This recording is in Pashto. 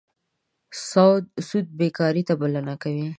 سود بېکارۍ ته بلنه ده.